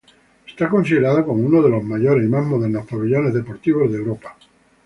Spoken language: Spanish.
Está considerado como uno de los mayores y más modernos pabellones deportivos de Europa.